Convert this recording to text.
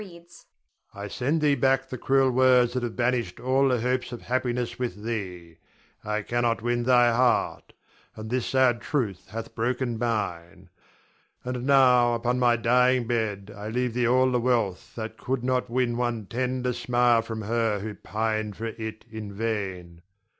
_] I send thee back the cruel words that have banished all the hopes of happiness with thee. I cannot win thy heart; and this sad truth hath broken mine. And now, upon my dying bed, I leave thee all the wealth that could not win one tender smile for her who pined for it in vain.